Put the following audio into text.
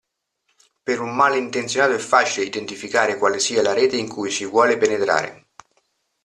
Per un malintenzionato è facile identificare quale sia la rete in cui si vuole penetrare!